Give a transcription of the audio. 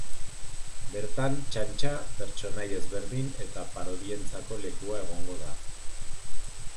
Bertan, txantxa, pertsonai ezberdin eta parodientzako lekua egongo da.